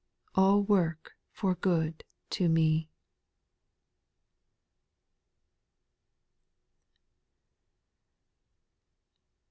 All work for good to me.